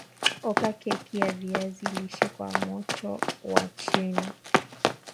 oka keki ya viazi lishe kwa moto wa chini